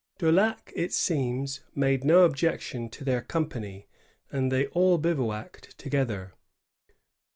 Daulac, it seems, made no objection to their company, and they all bivouacked together.